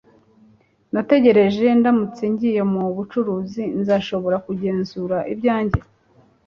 natekereje, ndamutse ngiye mu bucuruzi nzashobora kugenzura ibyanjye